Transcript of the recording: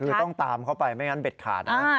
คือต้องตามเขาไปไม่งั้นเด็ดขาดนะ